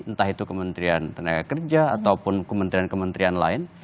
entah itu kementerian tenaga kerja ataupun kementerian kementerian lain